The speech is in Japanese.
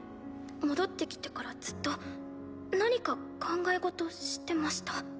戻ってきてからずっと何か考え事してました